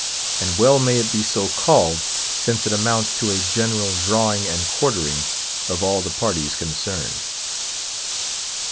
And well may it be so called, since it amounts to a general drawing and quartering of all the parties concerned.